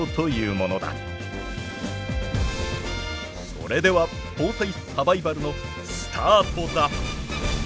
それでは防災サバイバルのスタートだ！